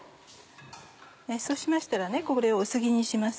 そうしましたらこれを薄切りにします。